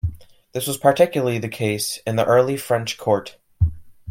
This was particularly the case in the early French court.